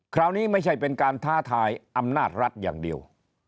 คราวนี้ไม่ใช่เป็นการท้าทายอำนาจรัฐอย่างเดียว